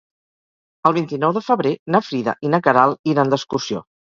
El vint-i-nou de febrer na Frida i na Queralt iran d'excursió.